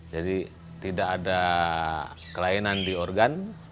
jadi tidak ada kelainan di organ